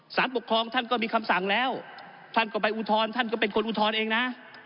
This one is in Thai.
สารปกครองท่านก็มีคำสั่งแล้วท่านก็ไปอุทธรณ์ท่านก็เป็นคนอุทธรณ์เองนะ